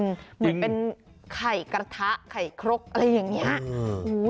เหมือนเป็นไข่กระทะไข่ครกอะไรอย่างนี้